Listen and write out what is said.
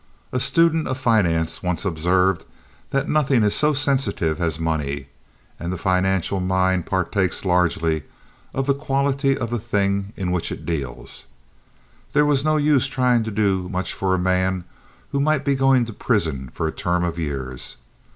A student of finance once observed that nothing is so sensitive as money, and the financial mind partakes largely of the quality of the thing in which it deals. There was no use trying to do much for a man who might be going to prison for a term of years.